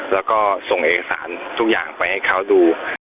แล้วก็ส่งเอกสารทุกอย่างไปให้เขาดู